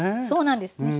そうなんです。